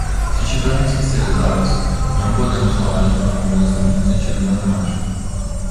Se tivermos que ser exatos, não podemos falar de fórmulas no sentido matemático.